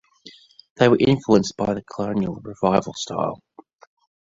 They were influenced by the Colonial Revival style.